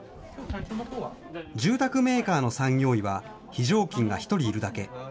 住宅メーカーの産業医は非常勤が１人いるだけ。